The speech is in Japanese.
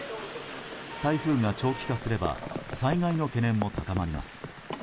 台風が長期化すれば災害の懸念も高まります。